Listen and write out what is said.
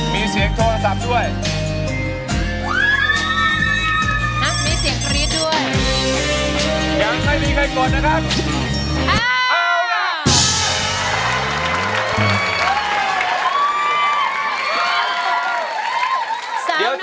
มีเสียงโทรศัพท์ด้วย